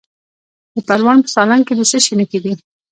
د پروان په سالنګ کې د څه شي نښې دي؟